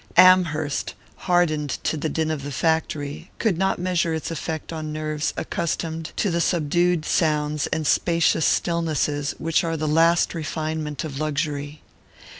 Amherst, hardened to the din of the factory, could not measure its effect on nerves accustomed to the subdued sounds and spacious stillnesses which are the last refinement of luxury.